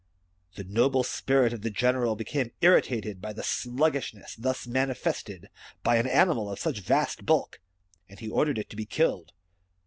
The noble spirit of the general became imtated by the sluggish ness thus manifested by an animal of such vast bulk, and he ordered it to be killed.